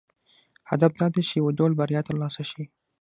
هدف دا دی چې یو ډول بریا ترلاسه شي.